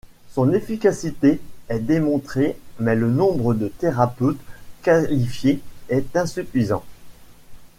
Son efficacité est démontrée, mais le nombre des thérapeutes qualifiés est insuffisant.